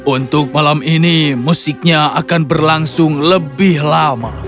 untuk malam ini musiknya akan berlangsung lebih lama